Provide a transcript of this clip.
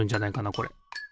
これ。